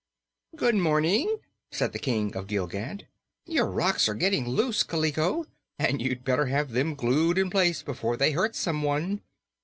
"Good morning," said the King of Gilgad. "Your rocks are getting loose, Kaliko, and you'd better have them glued in place before they hurt someone."